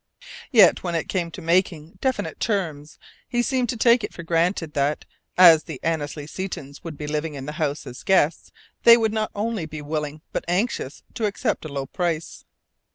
Yet, when it came to making definite terms he seemed to take it for granted that, as the Annesley Setons would be living in the house as guests, they would not only be willing, but anxious, to accept a low price.